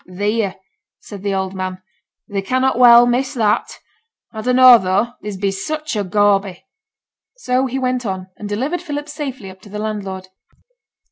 'Theere!' said the old man. 'Thee cannot well miss that. A dunno tho', thee bees sich a gawby.' So he went on, and delivered Philip safely up to the landlord.